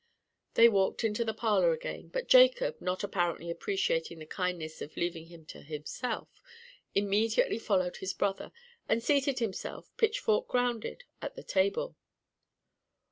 They walked into the parlour again; but Jacob, not apparently appreciating the kindness of leaving him to himself, immediately followed his brother, and seated himself, pitchfork grounded, at the table.